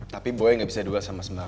tapi boi gak bisa duel sama sembar reiterate